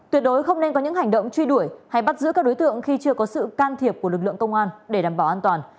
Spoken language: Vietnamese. tuyệt đối không nên có những hành động truy đuổi hay bắt giữ các đối tượng khi chưa có sự can thiệp của lực lượng công an để đảm bảo an toàn